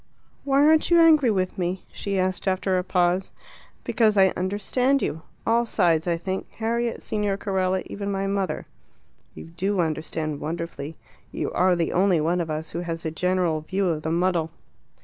"Why aren't you angry with me?" she asked, after a pause. "Because I understand you all sides, I think, Harriet, Signor Carella, even my mother." "You do understand wonderfully. You are the only one of us who has a general view of the muddle."